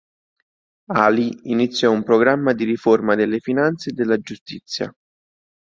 ʿAli iniziò un programma di riforma delle finanze e della giustizia.